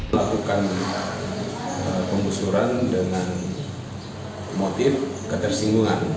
melakukan penggusuran dengan motif ketersinggungan